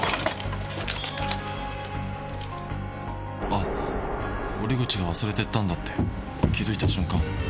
あ折口が忘れてったんだって気付いた瞬間。